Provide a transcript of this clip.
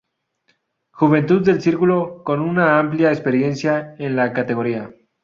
Juventud del Círculo, con una amplia experiencia en la categoría.